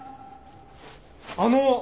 あの！